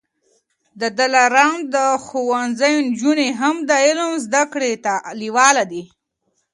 د دلارام د ښوونځیو نجوني هم د علم زده کړې ته لېواله دي.